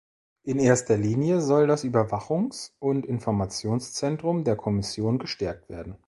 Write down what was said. In erster Linie soll das Überwachungs- und Informationszentrum der Kommission gestärkt werden.